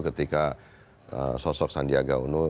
ketika sosok sandiaga unum